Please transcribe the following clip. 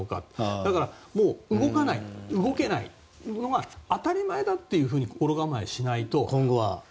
だから、動かない動けないのが当たり前だと心構えしないと。